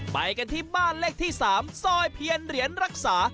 ไปกันที่บ้านเลขที่๓ซอยเพียนเหรียญรักษา